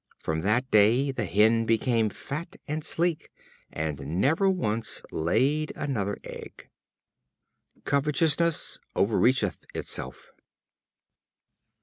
From that day the Hen became fat and sleek, and never once laid another egg. Covetousness overreacheth itself.